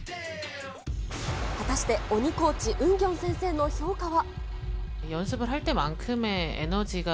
果たして、鬼コーチ、ウンギョン先生の評価は。